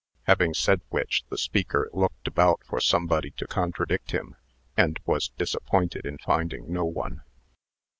Having said which, the speaker looked about for somebody to contradict him, and was disappointed in finding no one.